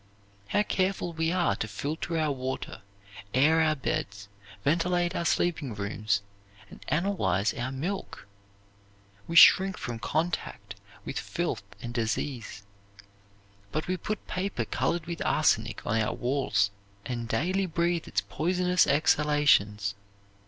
How careful we are to filter our water, air our beds, ventilate our sleeping rooms, and analyze our milk! We shrink from contact with filth and disease. But we put paper colored with arsenic on our walls, and daily breathe its poisonous exhalations.